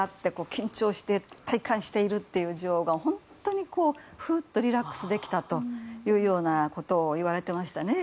緊張して戴冠しているという女王が本当に、ふっとリラックスできたというようなことをいわれてましたね。